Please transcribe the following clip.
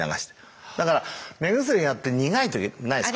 だから目薬やって苦い時ないですか？